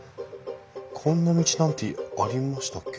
こんな道なんてありましたっけ？